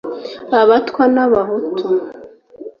abatwa n’abahutu